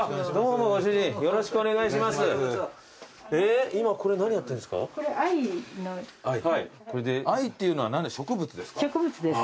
藍っていうのは植物ですか？